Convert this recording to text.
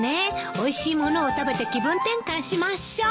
おいしい物を食べて気分転換しましょー。